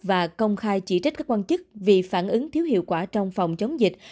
và công khai chỉ trách các quan chức vì phản ứng thiếu hiệu quả trong phòng chống dịch